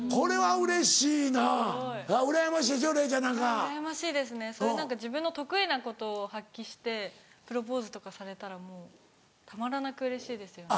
うらやましいですねそういう自分の得意なことを発揮してプロポーズとかされたらもうたまらなくうれしいですよね。